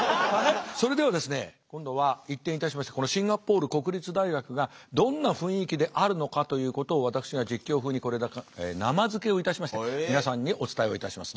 それではですね今度は一転いたしましてこのシンガポール国立大学がどんな雰囲気であるのかということを私が実況風に生付けをいたしまして皆さんにお伝えをいたします。